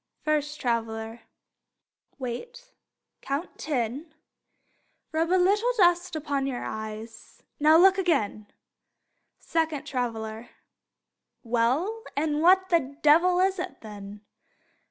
First Traveler: Wait; count ten; Rub a little dust upon your eyes; Now, look again. Second Traveler: Well, and what the devil is it, then?